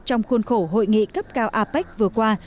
trong khuôn khổ hội nghị cấp cao apec vừa qua